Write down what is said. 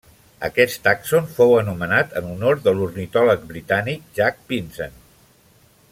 Aquest tàxon fou anomenat en honor de l'ornitòleg britànic Jack Vincent.